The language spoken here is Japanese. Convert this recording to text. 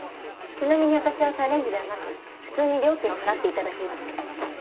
ちなみに私はチャレンジではなく普通に料金を払って頂きます。